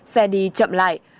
xe đi chậm lại